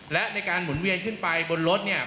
และในการหมุนเวียนขึ้นไปบนรถเนี่ย